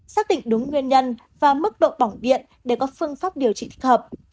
xác định đúng nguyên nhân và mức độ bỏng điện để có phương pháp điều trị thích hợp